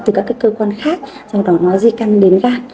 từ các cái cơ quan khác sau đó nó di căn đến gan